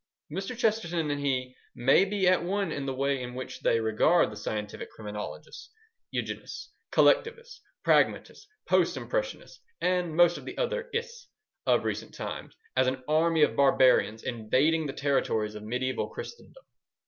Mr. Chesterton and he may be at one in the way in which they regard the scientific criminologists, eugenists, collectivists, pragmatists, post impressionists, and most of the other "ists" of recent times, as an army of barbarians invading the territories of mediaeval Christendom.